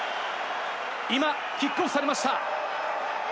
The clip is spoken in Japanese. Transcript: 今、キックオフされました。